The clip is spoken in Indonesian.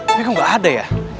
tapi kok nggak ada ya